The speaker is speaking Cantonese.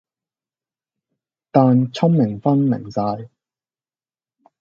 但聰明分零晒